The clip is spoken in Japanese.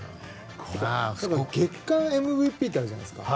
月間ＭＶＰってあるじゃないですか。